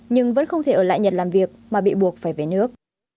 nhưng vẫn không thể ở lại nhật làm việc mà bị buộc phải về nước